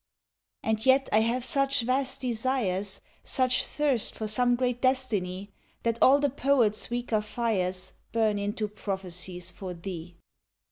And yet, I have such vast desires, Such thirst for some great destiny, That all the poet's weaker fires Burn into prophecies for thee.